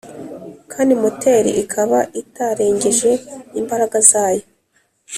kandi moteri ikaba itarengeje imbaraga zayo